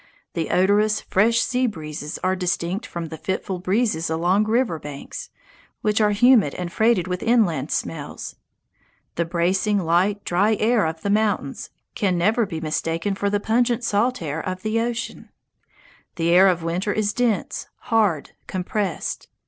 The odorous, fresh sea breezes are distinct from the fitful breezes along river banks, which are humid and freighted with inland smells. The bracing, light, dry air of the mountains can never be mistaken for the pungent salt air of the ocean. The air of winter is dense, hard, compressed.